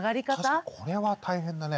確かにこれは大変だね。